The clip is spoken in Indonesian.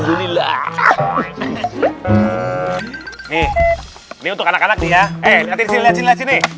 ini minyak tanah ya